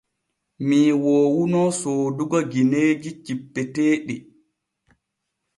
Mii woowuno soodugo gineeji cippitinteeɗi.